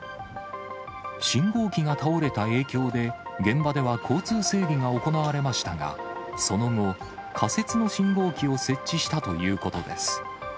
信号機が倒れた影響で、現場では交通整理が行われましたが、その後、仮設の信号機を設置したということです。